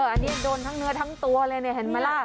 อันนี้โดนทั้งเนื้อทั้งตัวเลยเนี่ยเห็นไหมล่ะ